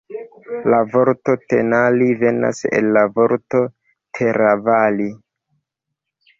La vorto Tenali venas el la vorto Teravali.